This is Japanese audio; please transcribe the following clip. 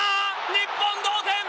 日本、同点！